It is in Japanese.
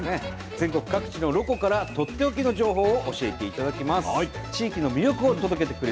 全国各地のロコからとっておきの情報を教えていただきます。